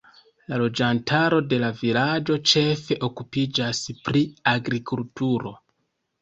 La loĝantaro de la vilaĝo ĉefe okupiĝas pri agrikulturo.